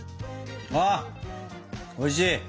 あおいしい！